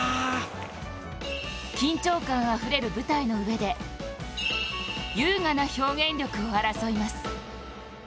緊張感あふれる舞台の上で優雅な表現力を争います。